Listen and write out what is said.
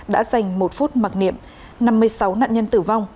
đã dành một phút mặc niệm năm mươi sáu nạn nhân tử vong